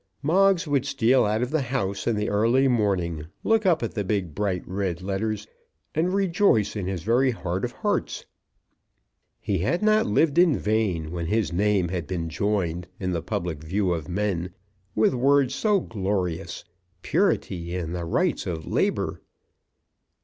Moggs would steal out of the house in the early morning, look up at the big bright red letters, and rejoice in his very heart of hearts. He had not lived in vain, when his name had been joined, in the public view of men, with words so glorious. Purity and the Rights of Labour!